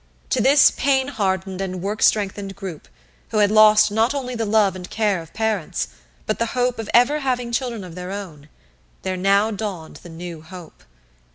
To this pain hardened and work strengthened group, who had lost not only the love and care of parents, but the hope of ever having children of their own, there now dawned the new hope.